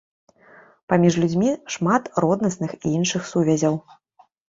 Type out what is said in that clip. Паміж людзьмі шмат роднасных і іншых сувязяў.